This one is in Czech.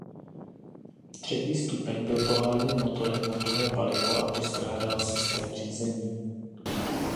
Třetí stupeň byl poháněn motorem na tuhé palivo a postrádal systém řízení.